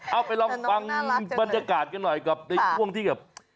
เอาไปลองฟังบรรยากาศกันหน่อยกับในช่วงที่แบบ